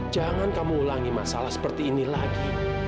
jangan kamu ulangi masalah seperti ini lagi